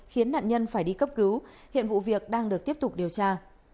khiến nạn nhân phải đi cấp cứu hiện vụ việc đang được tiếp tục điều tra